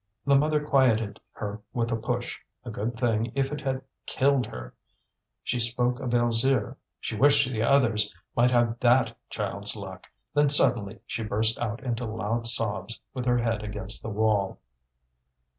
The mother quieted her with a push a good thing if it had killed her! She spoke of Alzire; she wished the others might have that child's luck. Then suddenly she burst out into loud sobs, with her head against the wall.